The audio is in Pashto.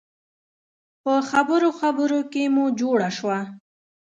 په خبرو خبرو کې مو جوړه شوه.